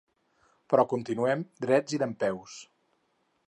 Però continuem drets i dempeus.